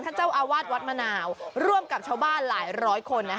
เจ้าอาวาสวัดมะนาวร่วมกับชาวบ้านหลายร้อยคน